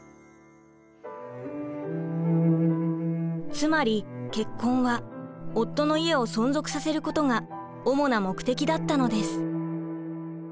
つまり結婚は夫の家を存続させることが主な目的だったのです。